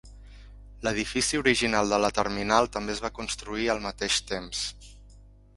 L"edifici original de la terminal també es va construir al mateix temps.